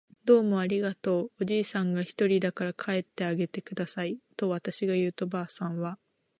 「どうもありがとう。」おじいさんがひとりだから帰ってあげてください。」とわたしが言うと、ばあさんは